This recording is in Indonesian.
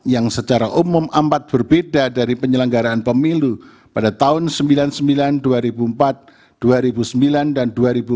yang secara umum amat berbeda dari penyelenggaraan pemilu pada tahun seribu sembilan ratus sembilan puluh sembilan dua ribu empat dua ribu sembilan dan dua ribu sembilan